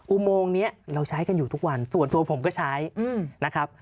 อุโมงนี้เราใช้กันอยู่ทุกวันส่วนตัวผมก็ใช้นะครับ